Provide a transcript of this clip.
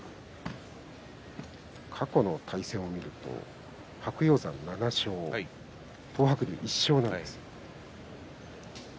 過去の対戦を見ますと白鷹山、７勝東白龍、１勝です。